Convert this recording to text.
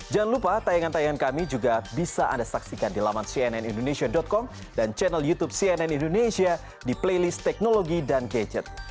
jangan lupa tayangan tayangan kami juga bisa anda saksikan di laman cnnindonesia com dan channel youtube cnn indonesia di playlist teknologi dan gadget